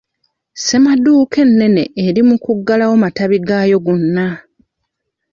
Ssemaduuka ennene eri mu kuggalawo amatabi gaayo gonna.